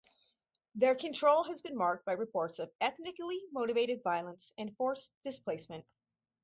Their control has been marked by reports of ethnically motivated violence and forced displacement.